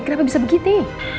kenapa bisa begini